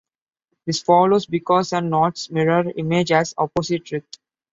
This follows because a knot's mirror image has opposite writhe.